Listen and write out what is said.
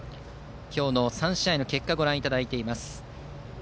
今日の３試合の結果をご覧いただいています。